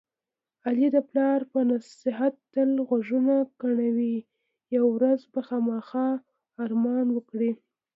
علي د پلار په نصیحت تل غوږونه کڼوي. یوه ورځ به خوامخا ارمان وکړي.